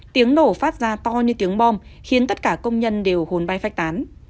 tiếng nổ phát ra to như tiếng bom khiến tất cả công nhân đều hồn bay phát tán